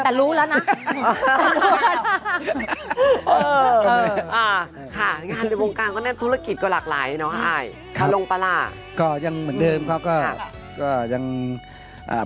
วันกลางวันนี้ไม่เซอร์ไพร์ท